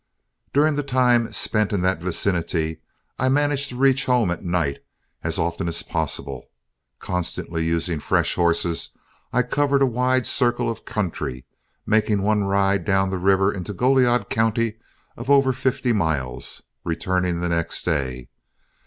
During the time spent in that vicinity, I managed to reach home at night as often as possible. Constantly using fresh horses, I covered a wide circle of country, making one ride down the river into Goliad County of over fifty miles, returning the next day.